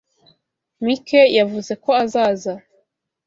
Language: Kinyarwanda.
Mike yavuze ko azaza.